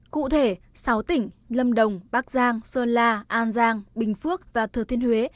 cụ thể sáu tỉnh lâm đồng bắc giang sơn la an giang bình phước và thừa thiên huế